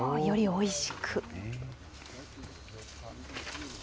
よりおいしく。